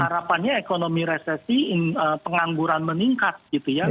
harapannya ekonomi resesi pengangguran meningkat gitu ya